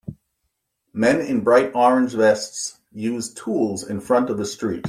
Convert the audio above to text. Men in bright orange vests use tools in front of a street.